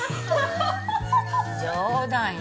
冗談よ。